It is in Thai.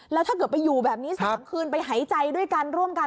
แล้วถ้าเกิดไปอยู่แบบนี้๓คืนไปหายใจด้วยกันร่วมกัน